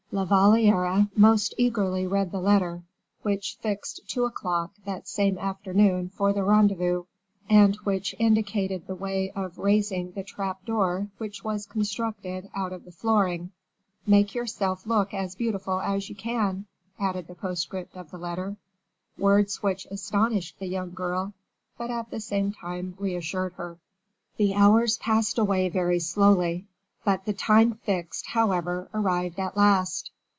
La Valliere most eagerly read the letter, which fixed two o'clock that same afternoon for the rendezvous, and which indicated the way of raising the trap door which was constructed out of the flooring. "Make yourself look as beautiful as you can," added the postscript of the letter, words which astonished the young girl, but at the same time reassured her. The hours passed away very slowly, but the time fixed, however, arrived at last.